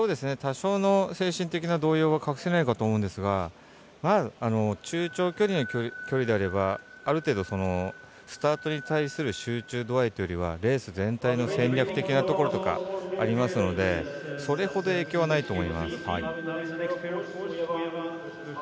多少の精神的な動揺は隠せないかと思いますが中長距離の距離であればある程度、スタートに対する集中度合いというよりはレース全体の戦略的なところとかありますのでそれほど影響はないと思います。